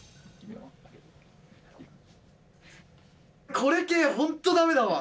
これ系、本当だめだわ。